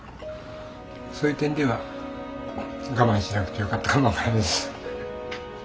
そういう点では我慢しなくてよかったかも分からんです。